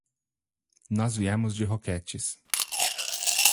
Nós viemos de Roquetes.